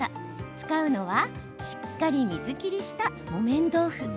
使うのはしっかり水切りした木綿豆腐。